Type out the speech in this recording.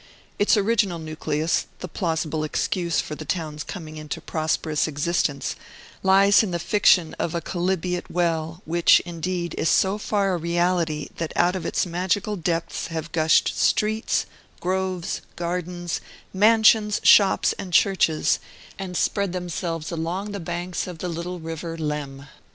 Its original nucleus, the plausible excuse for the town's coming into prosperous existence, lies in the fiction of a chalybeate well, which, indeed, is so far a reality that out of its magical depths have gushed streets, groves, gardens, mansions, shops, and churches, and spread themselves along the banks of the little river Leam.